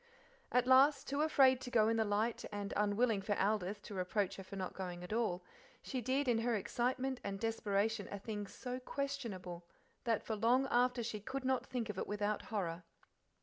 At last, too afraid to go in the light, and unwilling for Aldith to reproach her for not going at all, she did in her excitement and desperation a thing so questionable that for long after she could not think of it without horror.